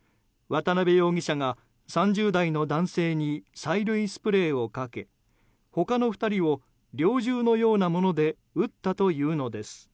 渡邊容疑者が３０代の男性に催涙スプレーをかけ他の２人を猟銃のようなもので撃ったというのです。